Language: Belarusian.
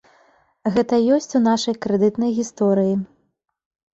Гэта ёсць у нашай крэдытнай гісторыі.